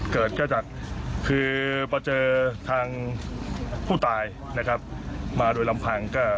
เกิดจากเจอพวกผู้ตายมาโดยลำพัง